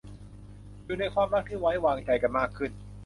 อยู่ในความรักที่ไว้วางใจกันมากขึ้น